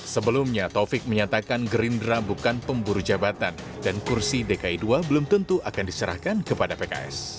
sebelumnya taufik menyatakan gerindra bukan pemburu jabatan dan kursi dki ii belum tentu akan diserahkan kepada pks